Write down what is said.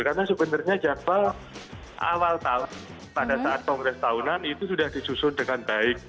karena sebenarnya jabal awal tahun pada saat kongres tahunan itu sudah disusun dengan baik